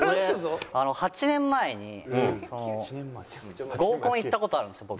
８年前に合コン行った事あるんですよ